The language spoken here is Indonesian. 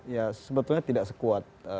ya sebetulnya tidak sekuat